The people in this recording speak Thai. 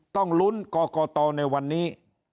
ต้องลุ้นกรกตในวันนี้